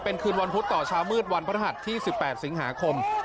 เป็นคืนวันพุธต่อเช้ามืดวันพระหัสที่๑๘สิงหาคม